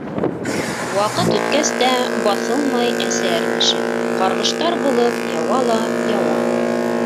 Ваҡыт үткәс тә баҫылмай әсә әрнеше, ҡарғыштар булып яуа ла яуа.